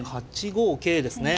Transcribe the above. ８五桂ですね。